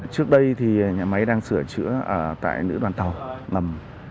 trước đây nhà máy đang sửa chữa tại nữ đoàn tàu lầm